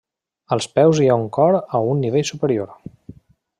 Als peus hi ha un cor a un nivell superior.